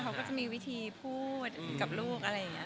เขาก็จะมีวิธีพูดกับลูกอะไรอย่างนี้